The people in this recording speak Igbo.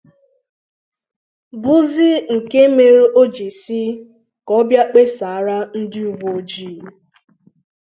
bụzị nke mere o jiri sị ka ọ bịa kpesara ndị uweojii